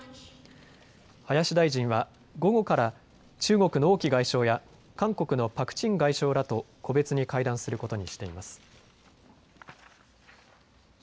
林大臣は午後から中国の王毅外相や韓国のパク・チン外相らと個別に会談することにしています。